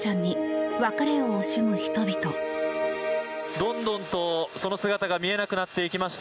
どんどんと、その姿が見えなくなっていきました。